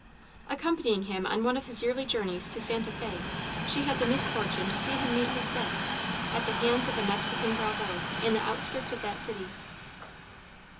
Accompanying him on one of his yearly journeys to Santa Fe, she had the misfortune to see him meet his death, at the hands of a Mexican bravo, in the outskirts of that city.